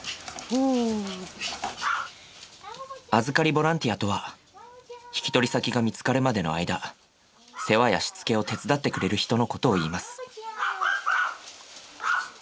預かりボランティアとは引き取り先が見つかるまでの間世話やしつけを手伝ってくれる人のことをいいます。